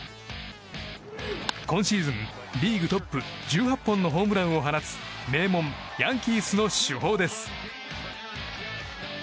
今シーズン、リーグトップ１８本のホームランを放つ名門ヤンキースの主砲です。